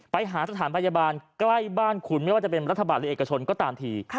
ไปหาสถานพยาบาลใกล้บ้านคุณไม่ว่าจะเป็นรัฐบาลหรือเอกชนก็ตามที